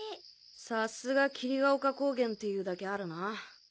さすが霧ヶ丘高原っていうだけあるな。